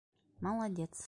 — Молодец!